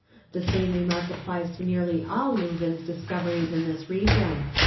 The same remark applies to nearly all Leuwin's discoveries in this region."